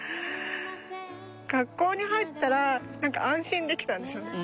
学校に入ったらなんか安心できたんですよね。